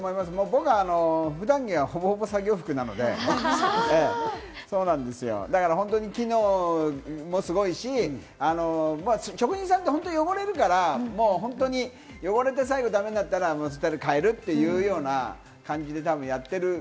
僕は普段着はほぼほぼ作業服なので、だから本当に機能もすごいし、職人さんって本当に汚れるから汚れて最後だめになったら変えるっていうような感じでやっている。